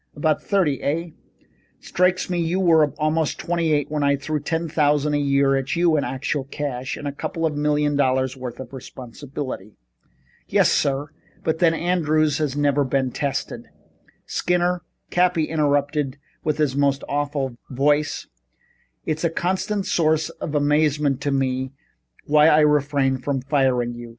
"About thirty, eh? Strikes me you were about twenty eight when I threw ten thousand a year at you in actual cash, and a couple of million dollars' worth of responsibility." "Yes sir, but then Andrews has never been tested " "Skinner," Cappy interrupted in his most awful voice, "it's a constant source of amazement to me why I refrain from firing you.